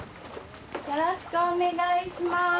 よろしくお願いします。